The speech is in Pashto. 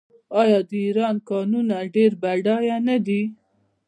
آیا د ایران کانونه ډیر بډایه نه دي؟